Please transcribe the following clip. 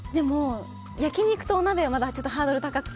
焼き肉とお鍋はまだハードル高くて。